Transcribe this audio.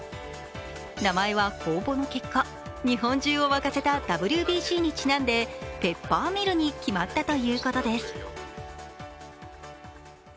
名前は公募の結果日本中を沸かせたＷＢＣにちなんで、ペッパーミルに決まったということです。